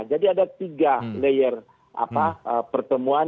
jadi ada tiga layer pertemuan